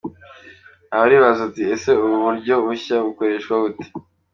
Aha uribaza uti 'Ese ubu buryo bushya bukoreshwa bute'?.